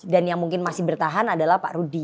dan yang mungkin masih bertahan adalah pak rudy